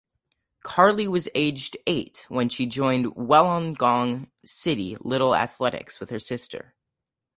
Carli was aged eight when she joined Wollongong City Little Athletics with her sister.